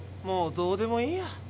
もうどうでもいいや。